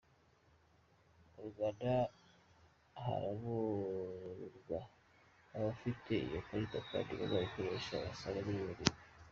Mu Rwanda harabarurwa abafite izo karita kandi bazikoresha basaga miliyoni imwe.